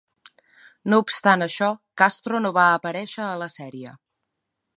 No obstant això, Castro no va aparèixer a la sèrie.